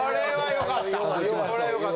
よかった。